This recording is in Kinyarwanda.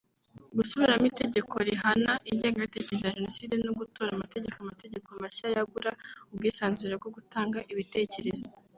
gusubiramo Itegeko rihana ingengabitekerezo ya Jenoside no gutora amategeko amategeko mashya yagura ubwisanzure bwo gutanga ibitekerezo